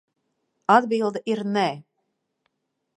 Atbilde ir nē.